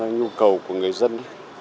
nhu cầu của người dân